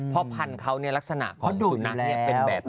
เพราะพันธุ์เขาเนี่ยลักษณะของสุนัขเนี่ยเป็นแบบนี้